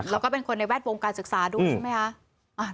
แล้วก็เป็นคนในแวดวงการศึกษาด้วยใช่ไหมคะ